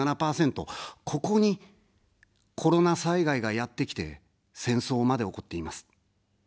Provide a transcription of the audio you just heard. ここに、コロナ災害がやってきて、戦争まで起こっています。